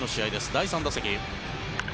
第３打席。